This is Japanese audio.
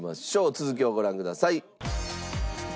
続きをご覧ください。